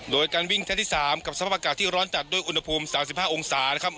โดยการวิ่งขั้นที่๓กับสภาพอากาศที่ร้อนจัดด้วยอุณหภูมิ๓๕องศานะครับ